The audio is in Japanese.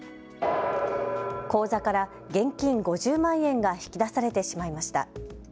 口座から現金５０万円が引き出されてしまいました。